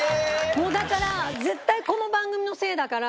もうだから絶対この番組のせいだから。